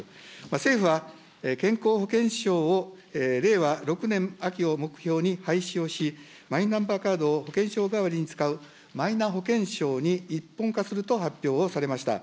政府は健康保険証を令和６年秋を目標に廃止をし、マイナンバーカードを保険証代わりに使う、マイナ保険証に一本化すると発表をされました。